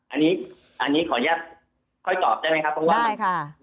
อันนี้ขอยับค่อยตอบอ่ะได้ไหมครับ